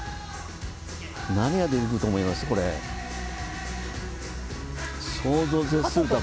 何が出てくると思いますか。